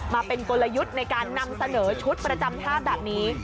มาเป็นกลยุทธ์ในการนำเสนอชุดประจำท่าแบบนี้